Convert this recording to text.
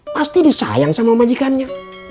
pasti disayang sama majikannya